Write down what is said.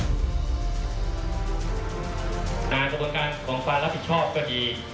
กระบวนการของความรับผิดชอบก็ดี